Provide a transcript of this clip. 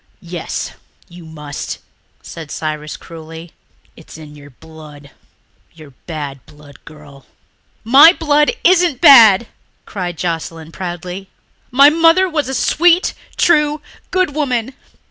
"Yes, you must," said Cyrus cruelly. "It's in your blood ... your bad blood, girl." "My blood isn't bad," cried Joscelyn proudly. "My mother was a sweet, true, good woman.